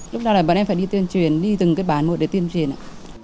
lúc nào là bọn em phải đi tuyên truyền đi từng cái bản một để tuyên truyền ạ